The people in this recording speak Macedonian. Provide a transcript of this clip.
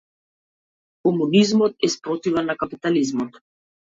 Комунизмот е спротивен на капитализмот.